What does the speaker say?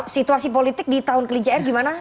situasi politik di tahun kelinci air gimana